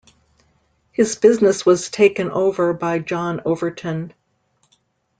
His business was taken over by John Overton.